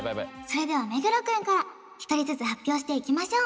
それでは目黒くんから１人ずつ発表していきましょ